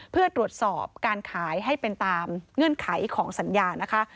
เพื่อตรวจสอบการขายให้เป็นตามเงื่อนไขของสัญญานะคะ